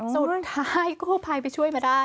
สุดท้ายกู้ภัยไปช่วยมาได้